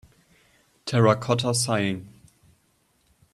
Terracotta Sighing